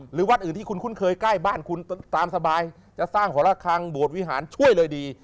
หรือวัดอื่นที่คุณคุ้นเคยใกล้บ้านคุณตามสบายจะสร้างหอละคังโบสถวิหารช่วยเลยดี